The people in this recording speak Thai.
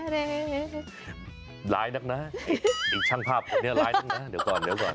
ร้ายนักนะอีกช่างภาพร้ายนักนะเดี๋ยวก่อน